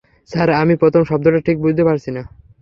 Sir, আমি প্রথম শব্দটা ঠিক বুঝতে পারছি না।